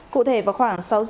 cụ thể vào khoảng